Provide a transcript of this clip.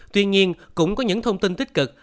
tuy nhiên cũng có những thông tin tích cực